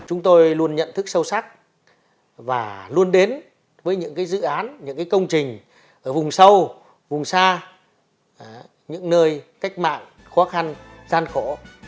chúng tôi luôn nhận thức sâu sắc và luôn đến với những dự án những công trình ở vùng sâu vùng xa những nơi cách mạng khó khăn gian khổ